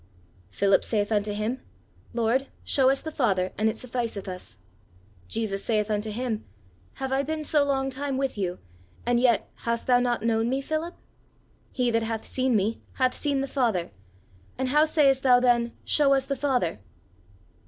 "'Philip saith unto him, Lord, show us the Father and it sufficeth us. Jesus saith unto him, Have I been so long time with you, and yet hast thou not known me, Philip? He that hath seen me hath seen the father, and how sayest thou then, Show us the father?